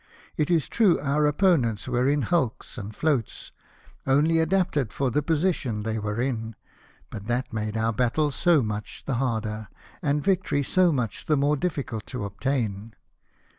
It is true our opponents were in hulks and floats, only THE ARMISTICE. 247 adapted for the position they were in ; but that made our battle so much the harder, and victory so much the more difficult to obtain.